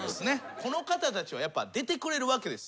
この方たちは出てくれるわけです。